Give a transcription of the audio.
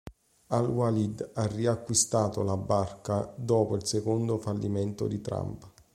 Al-Walid ha riacquistato la barca dopo il secondo fallimento di Trump.